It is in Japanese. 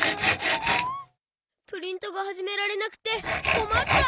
プリントがはじめられなくてこまった！